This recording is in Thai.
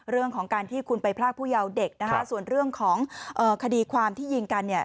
เรื่องของการที่คุณไปพรากผู้เยาว์เด็กนะคะส่วนเรื่องของคดีความที่ยิงกันเนี่ย